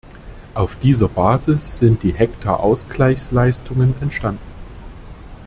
Auf dieser Basis sind die Hektarausgleichsleistungen entstanden.